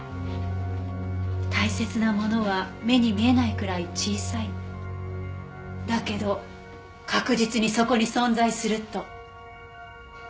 大切なものは目に見えないくらい小さいだけど確実にそこに存在すると。